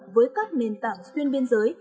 với các nền tảng xuyên biên giới